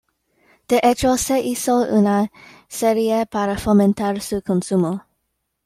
De hecho, se hizo una serie para fomentar su consumo.